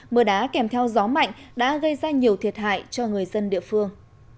mưa đá kèm theo gió mạnh đã gây ra nhiều thiệt hại cho người dân địa phương